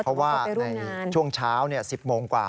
ต้องไปร่วมงานเพราะว่าในช่วงเช้า๑๐โมงกว่า